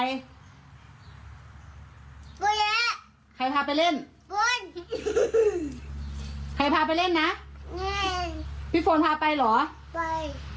กูแยะใครพาไปเล่นพูดใครพาไปเล่นนะเล่นพี่โฟนพาไปเหรอไป